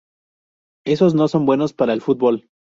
Esos no son buenos para el fútbol.